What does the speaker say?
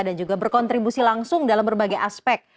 dan juga berkontribusi langsung dalam berbagai aspek